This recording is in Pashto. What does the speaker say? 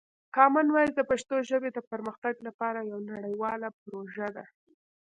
کامن وایس د پښتو ژبې د پرمختګ لپاره یوه نړیواله پروژه ده.